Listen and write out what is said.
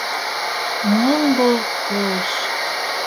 Ниндәй төш...